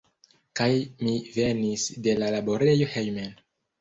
Kaj mi venis de la laborejo hejmen.